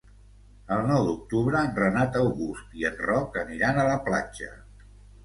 El nou d'octubre en Renat August i en Roc aniran a la platja.